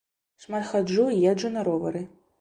Шмат хаджу і езджу на ровары.